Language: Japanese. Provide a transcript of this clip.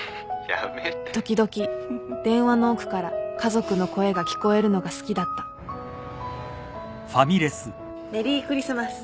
時々電話の奥から家族の声が聞こえるのが好きだったメリークリスマス。